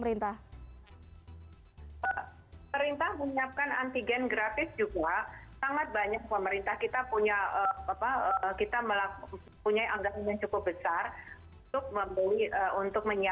runway testing sudah ada suatu seri mereka mencari al substitute ya